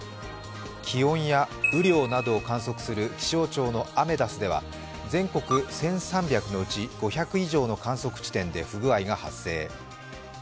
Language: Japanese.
気温や雨量などを観測する気象庁のアメダスでは全国１３００のうち５００以上の観測地点で不具合が発生。